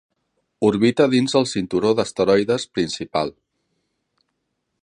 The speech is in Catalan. Orbita dins el cinturó d'asteroides principal.